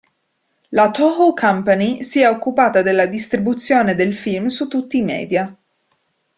La Toho Company si è occupata della distribuzione del film su tutti i media.